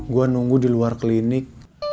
gue nunggu diluar klinik